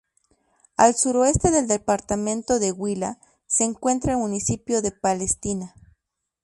Al suroeste del departamento del Huila se encuentra el municipio de Palestina.